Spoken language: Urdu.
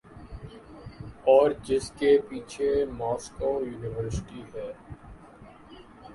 اورجس کے پیچھے ماسکو یونیورسٹی ہے۔